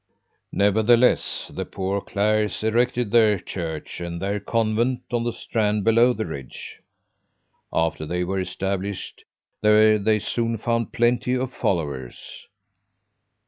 Nevertheless the Poor Clares erected their church and their convent on the strand below the ridge. After they were established there they soon found plenty of followers.